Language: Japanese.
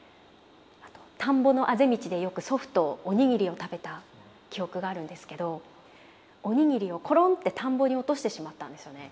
田んぼのあぜ道でよく祖父とおにぎりを食べた記憶があるんですけどおにぎりをコロンって田んぼに落としてしまったんですよね。